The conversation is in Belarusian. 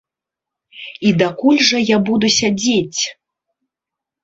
І дакуль жа я буду сядзець?